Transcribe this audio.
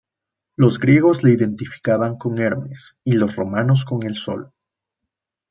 Los griegos le identificaban con Hermes y los romanos con Sol.